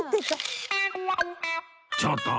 ちょっと！